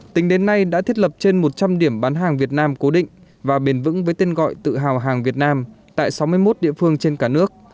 tính đến nay đã thiết lập trên một trăm linh điểm bán hàng việt nam cố định và bền vững với tên gọi tự hào hàng việt nam tại sáu mươi một địa phương trên cả nước